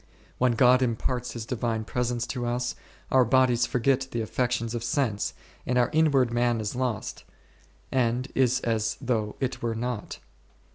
When God imparts His Divine Presence to us, our bodies forget the affec tions of sense, and our outward man is lost, and is as though it were not.